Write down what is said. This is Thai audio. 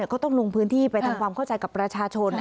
ก็ต้องลงพื้นที่ไปทำความเข้าใจกับประชาชน